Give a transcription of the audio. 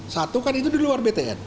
satu kan itu di luar btn